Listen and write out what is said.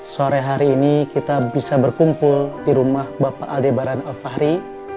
sore hari ini kita bisa berkumpul di rumah bapak aldebaran alfahri